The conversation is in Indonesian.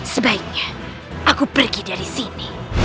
sebaiknya aku pergi dari sini